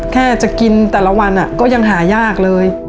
แค่จะกินแต่ละวันก็ยังหายากเลย